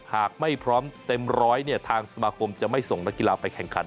หากไม่พร้อมเต็มร้อยทางสมาคมจะไม่ส่งนักกีฬาไปแข่งขัน